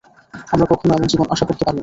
আমরা কখনো এমন জীবন আশা করতে পারি না।